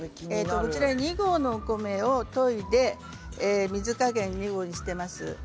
２合のお米をといで水加減２合にしています。